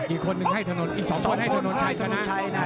อีกสองคนให้ถนนชัยชนะ